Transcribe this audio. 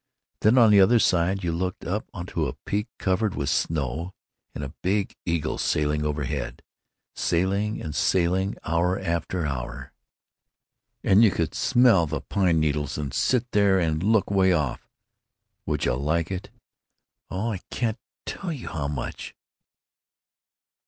Then on the other side you looked way up to a peak covered with snow, and a big eagle sailing overhead—sailing and sailing, hour after hour. And you could smell the pine needles and sit there and look way off——Would you like it?" "Oh, I can't tell you how much!"